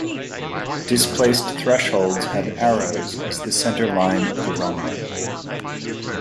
Displaced thresholds have arrows as the center line of the runway.